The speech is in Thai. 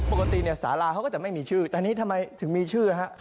ปกติเนี่ยสาราเขาก็จะไม่มีชื่อแต่นี่ทำไมถึงมีชื่อฮะ